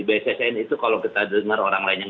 bssn itu kalau kita dengar orang lain yang